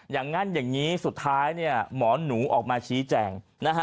อย่างนั้นอย่างนี้สุดท้ายหมอหนูออกมาชี้แจง